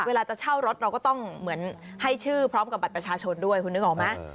เวลาจะเช่ารถเราก็ต้องเหมือนให้ชื่อพร้อมกับบัตรประชาชนด้วยคุณนึกออกไหม